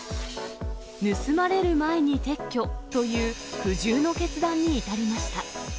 盗まれる前に撤去という、苦渋の決断に至りました。